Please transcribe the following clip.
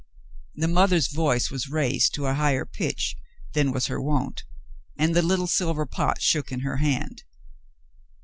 The mother's voice was raised to a higher pitch than was her wont, and the little silver pot shook in her hand.